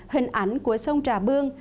hình ảnh của sông trà bương